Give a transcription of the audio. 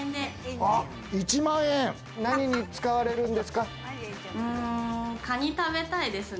何に使われるんですか？